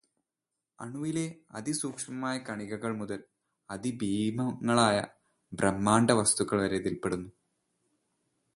അണുവിലെ അതിസൂക്ഷ്മമായ കണികകൾ മുതൽ അതിഭീമങ്ങളായ ബ്രഹ്മാണ്ഡ വസ്തുക്കൾ വരെ ഇതിൽപെടുന്നു.